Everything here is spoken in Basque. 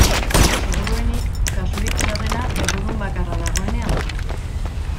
Seguruenik, kasurik txarrena errudun bakarra dagoenean da.